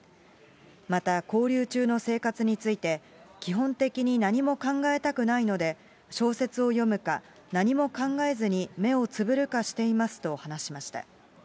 また、勾留中の生活について、基本的に何も考えたくないので、小説を読むか、何も考えずに目をつぶるかしていますと話しました。